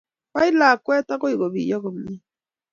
Bai lakwet agoi ko piony komie